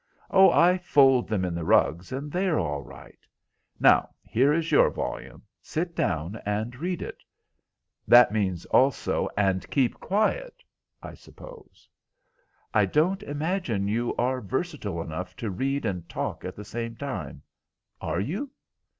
"Oh, I fold them in the rugs, and they are all right. Now, here is your volume. Sit down there and read it." "That means also, 'and keep quiet,' I suppose?" "I don't imagine you are versatile enough to read and talk at the same time. Are you?"